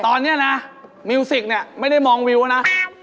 ตอนนี้มีวสิกไม่ได้มองวิวนะ